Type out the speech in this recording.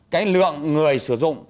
cái lượng người sử dụng